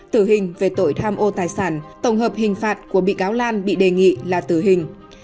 tử hình về tội tham ô tài sản tổng hợp hình phạt của bị cáo lan bị đề nghị là tử hình